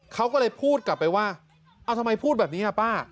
เขาก็เลยพูดกลับไปว่าเอาทำไมพูดแบบนี้อ่ะป้า